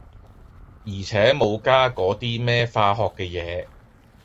而且無加嗰啲咩化學嘅嘢。